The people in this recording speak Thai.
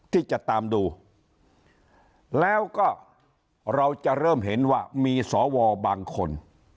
ที่จะตามดูแล้วก็เราจะเริ่มเห็นว่ามีสวบางคน